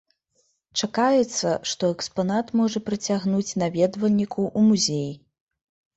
Чакаецца, што экспанат можа прыцягнуць наведвальнікаў у музей.